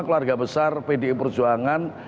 keluarga besar pd perjuangan